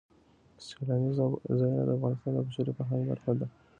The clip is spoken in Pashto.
سیلانی ځایونه د افغانستان د بشري فرهنګ برخه ده.